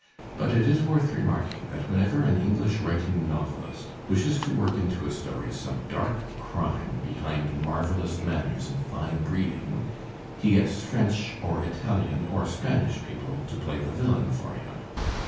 But it is worth remarking that whenever an English writing novelist wishes to work into a story some dark crime behind Digitized by Google HENRY JAMES 329 marvellous manners and fine breeding, he gets French or Italian or Spanish people to play the villain for him.